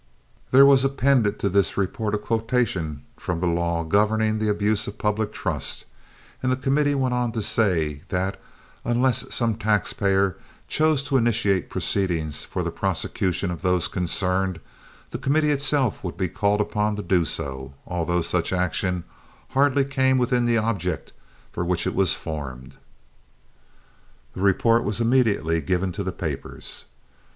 There was appended to this report a quotation from the law governing the abuse of a public trust; and the committee went on to say that, unless some taxpayer chose to initiate proceedings for the prosecution of those concerned, the committee itself would be called upon to do so, although such action hardly came within the object for which it was formed. This report was immediately given to the papers.